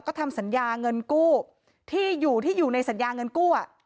ก็ทำสัญญาเงินกู้ที่อยู่ที่อยู่ในสัญญาเงินกู้